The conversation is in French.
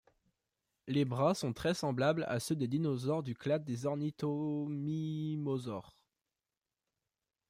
Les bras sont très semblables à ceux des dinosaures du clade des ornithomimosaures.